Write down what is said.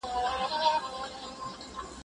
تر هغه وخته به مړینه راغلې وي.